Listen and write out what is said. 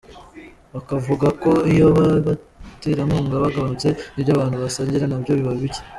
Akavuga ko iyo aba baterankunga bagabanutse n’ibyo abantu basangira nabyo biba bike.